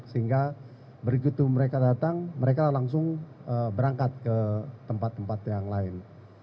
sehingga berikut mereka datang mereka langsung berangkat ke tempat tempat yang lain